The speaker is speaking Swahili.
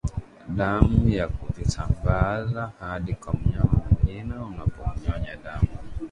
damu na kuvisambaza hadi kwa mnyama mwingine anapomnyonya damu